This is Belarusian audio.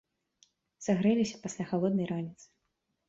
Сагрэліся пасля халоднай раніцы.